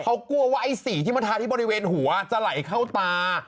เขากลัวว่าไอ้สีที่มาทาที่บริเวณหัวจะไหลเข้าตา